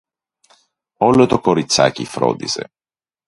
Όλο το κοριτσάκι φρόντιζε